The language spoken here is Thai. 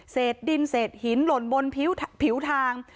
ดินเศษหินหล่นบนผิวทาง